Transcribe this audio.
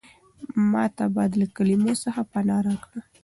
ما ته بې له کلمو څخه پناه راکړه.